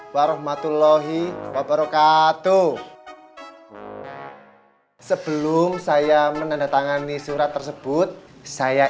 warahmatullahi wabarakatuh pak hai gitu space sebelum saya menandatangani surat tersebut saya